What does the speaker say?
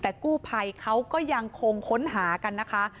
แต่กู้ภัยเขาก็ยังคงค้นหากันนะคะ